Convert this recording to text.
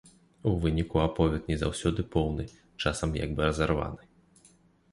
У выніку аповед не заўсёды поўны, часам як бы разарваны.